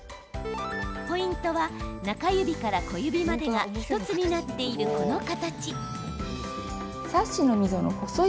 ポイントは中指から小指までが１つになっているこの形。